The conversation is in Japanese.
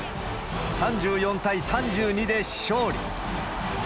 ３４対３２で勝利。